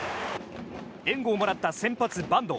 援護をもらった先発、板東。